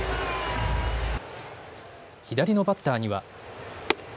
左のバッターには。